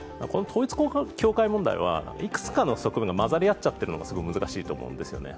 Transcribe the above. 統一教会問題はいくつかの側面が混ざり合っちゃってるのが難しいと思うんですよね。